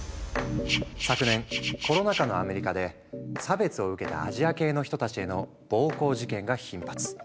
昨年コロナ禍のアメリカで差別を受けたアジア系の人たちへの暴行事件が頻発。